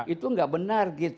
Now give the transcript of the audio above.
itu nggak benar gitu